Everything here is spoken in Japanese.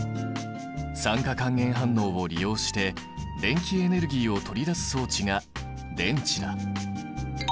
酸化還元反応を利用して電気エネルギーを取り出す装置が電池だ。